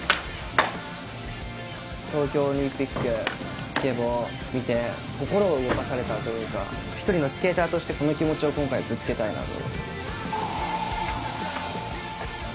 東京オリンピック、スケボー見て、心を動かされたというか、一人のスケーターとして、この気持ちを今回ぶつけたいなと。